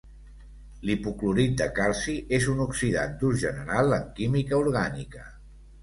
L'hipoclorit de calci és un oxidant d'ús general en química orgànica.